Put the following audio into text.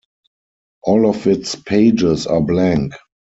All of its pages are blank.